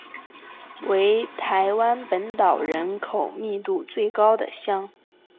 为台湾本岛人口密度最高的乡。